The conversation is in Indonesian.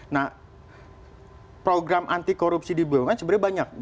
nah program anti korupsi di bumn sebenarnya banyak